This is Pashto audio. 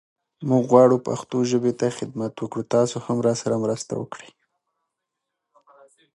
ماضي دقیق انتخاب د معنی ساتني له پاره اړین دئ.